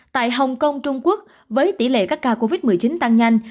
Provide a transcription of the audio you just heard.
tại hồng kông trung quốc với tỷ lệ các ca covid một mươi chín tăng nhanh